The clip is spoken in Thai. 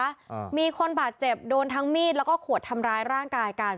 อ่ามีคนบาดเจ็บโดนทั้งมีดแล้วก็ขวดทำร้ายร่างกายกัน